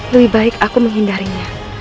lebih baik aku menghindarinya